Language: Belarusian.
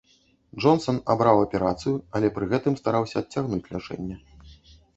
Джонсан абраў аперацыю, але пры гэтым стараўся адцягнуць лячэнне.